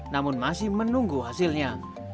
namun masih menunggu hasilnya